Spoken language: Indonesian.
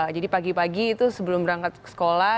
jadi pagi pagi itu sebelum berangkat ke sekolah